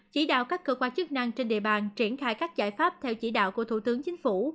chỉ đạo các cơ quan chức năng trên địa bàn triển khai các giải pháp theo chỉ đạo của thủ tướng chính phủ